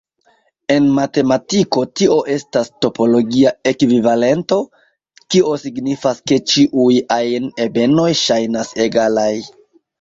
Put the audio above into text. En matematiko, tio estas topologia ekvivalento, kio signifas, ke ĉiuj ajn ebenoj ŝajnas egalaj.